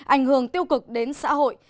ảnh hưởng tiêu cực đến xã hội